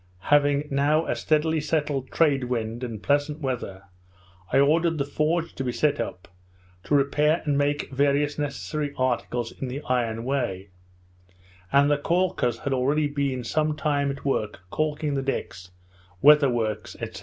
Having now a steady settled trade wind, and pleasant weather, I ordered the forge to be set up, to repair and make various necessary articles in the iron way; and the caulkers had already been some time at work caulking the decks, weather works, &c.